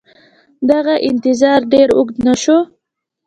دغه انتظار ډېر اوږد نه شو